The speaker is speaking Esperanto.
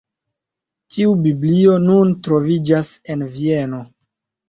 Tiu Biblio nun troviĝas en Vieno.